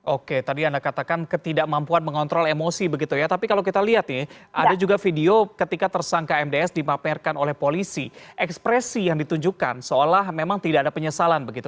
oke tadi anda katakan ketidakmampuan mengontrol emosi begitu ya tapi kalau kita lihat nih ada juga video ketika tersangka mds dimaperkan oleh polisi ekspresi yang ditunjukkan seolah memang tidak ada penyesalan begitu